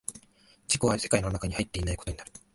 自己は世界の中に入っていないことになる。